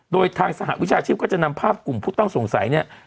โดยทางสหวิชาชีพก็จะนำภาพกลุ่มผู้ต้องสงสัยเนี่ย